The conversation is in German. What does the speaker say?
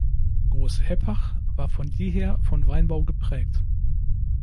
Großheppach war von jeher von Weinbau geprägt.